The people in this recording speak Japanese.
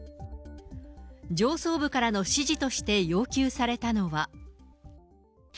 上層部からの指示として要求されたのは。